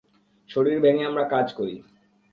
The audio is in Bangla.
শরীর ভেঙে আমরা কাজ করি!